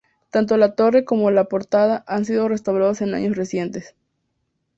Tanto la torre como la portada han sido restaurados en años recientes.